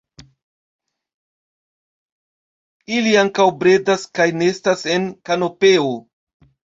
Ili ankaŭ bredas kaj nestas en kanopeo.